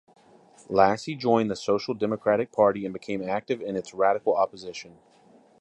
Lassy joined the Social Democratic Party and became active in its radical opposition.